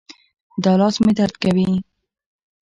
دا لاس مې درد کوي